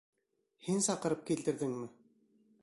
Һин саҡырып килтерҙеңме?